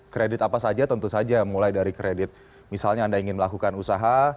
kredit apa saja tentu saja mulai dari kredit misalnya anda ingin melakukan usaha